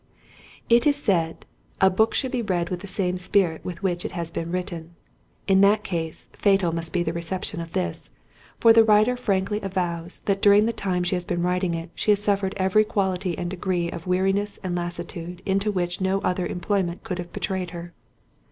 It is said, a book should be read with the same spirit with which it has been written. In that case, fatal must be the reception of this—for the writer frankly avows, that during the time she has been writing it, she has suffered every quality and degree of weariness and lassitude, into which no other employment could have betrayed her.